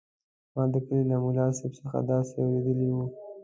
ما د کلي له ملاصاحب څخه داسې اورېدلي وو.